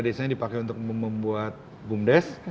desanya dipakai untuk membuat bumdes